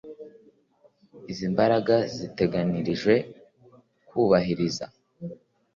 Izi mbaraga ziteganijwe kubahiriza